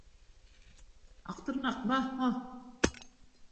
— Аҡтырнаҡ, маһ-маһ!